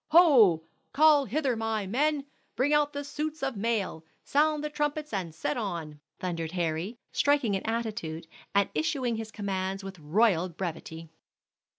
Ho! call hither my men. Bring out the suits of mail; sound the trumpets, and set on!" thundered Harry, striking an attitude, and issuing his commands with royal brevity.